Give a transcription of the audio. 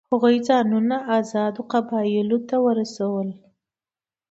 هغوی ځانونه آزادو قبایلو ته ورسول.